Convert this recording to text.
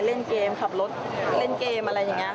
เล่นเกมขับรถเล่นเกมอะไรอย่างนี้